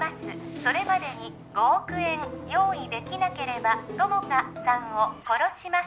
それまでに５億円用意できなければ友果さんを殺します